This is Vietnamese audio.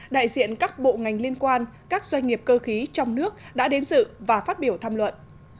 đại diện các bộ ngành liên quan các doanh nghiệp cơ khí trong nước đã đến dự và phát biểu tham luận